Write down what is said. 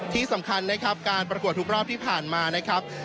ที่สำคัญนะครับการประกวดทุกรอบที่ผ่านมานะครับ